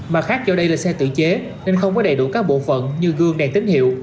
mặt khác do đây là xe tự chế nên không có đầy đủ các bộ phận như gương đèn tín hiệu